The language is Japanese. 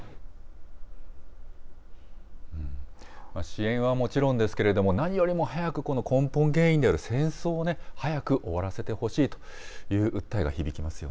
支援はもちろんですけれども、何よりも早く、この根本原因である戦争を早く終わらせてほしいという訴えが響き